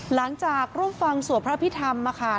หลังจากร่วมฟังสวพพิธรรมนะคะ